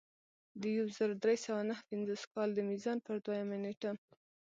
د یو زر درې سوه نهه پنځوس کال د میزان پر دویمه نېټه.